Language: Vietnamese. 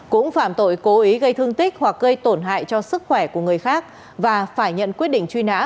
cũng phạm tội cố ý gây thương tích hoặc gây tổn hại cho sức khỏe của người khác và phải nhận quyết định truy nã